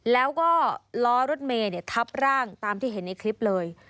แล้วก็ล้อรถเมย์ทับร่างตามที่เห็นในคลิปเลย